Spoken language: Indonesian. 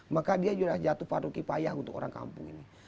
maka dia sudah jatuh paduki payah untuk orang kampung ini